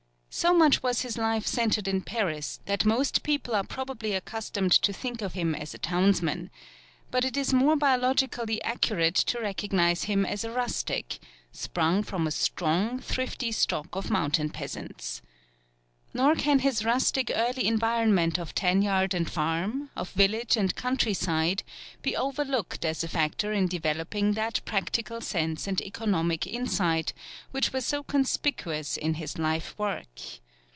So much was his life centred in Paris that most people are probably accustomed to think of him as a townsman; but it is more biologically accurate to recognize him as a rustic, sprung from a strong, thrifty stock of mountain peasants. Nor can his rustic early environment of tanyard and farm, of village and country side, be overlooked as a factor in developing that practical sense and economic insight which were so conspicuous in his life work.